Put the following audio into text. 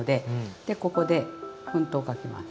でここで粉糖かけます。